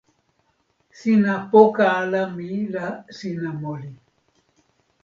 sina poka ala mi la sina moli.